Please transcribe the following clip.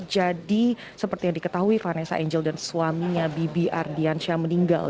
jadi seperti yang diketahui vanessa angel dan suaminya bibi ardiansyah meninggal